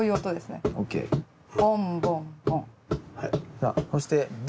さあそしてＢ。